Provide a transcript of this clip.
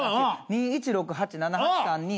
２１６８７８３２。